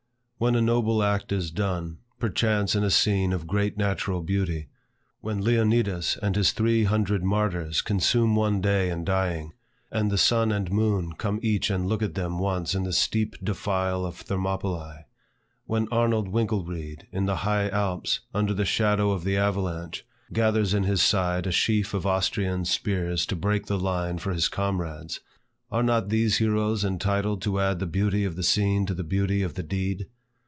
When a noble act is done, perchance in a scene of great natural beauty; when Leonidas and his three hundred martyrs consume one day in dying, and the sun and moon come each and look at them once in the steep defile of Thermopylae; when Arnold Winkelried, in the high Alps, under the shadow of the avalanche, gathers in his side a sheaf of Austrian spears to break the line for his comrades; are not these heroes entitled to add the beauty of the scene to the beauty of the deed?